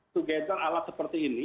tugasal alat seperti ini